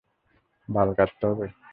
বাল কাটতে হবে?